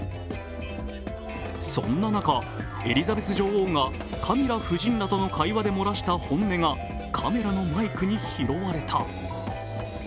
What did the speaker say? そんな中、エリザベス女王がカミラ夫人などとの会話で漏らした本音がカメラのマイクに拾われた。